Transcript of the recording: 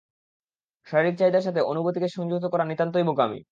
শারীরিক চাহিদার সাথে অনুভূতিকে সংযুক্ত করা নিতান্তই বোকামি।